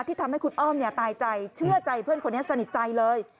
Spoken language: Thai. ทำให้คุณอ้อมตายใจเชื่อใจเพื่อนคนนี้สนิทใจเลย